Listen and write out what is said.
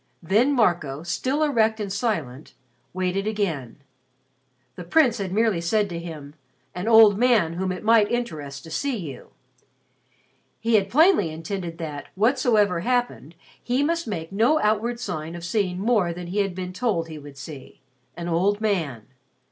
Then Marco, still erect and silent, waited again. The Prince had merely said to him, "an old man whom it might interest to see you." He had plainly intended that, whatsoever happened, he must make no outward sign of seeing more than he had been told he would see "an old man."